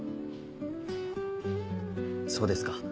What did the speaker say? そうですか。